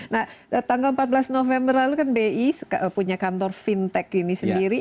nah tanggal empat belas november lalu kan bi punya kantor fintech ini sendiri